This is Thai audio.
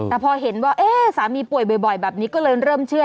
แต่พอเห็นว่าสามีป่วยบ่อยแบบนี้ก็เลยเริ่มเชื่อ